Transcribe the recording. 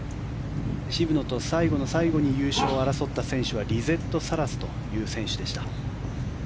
渋野と最後の最後に優勝を争った選手はリゼット・サラスという選手でした。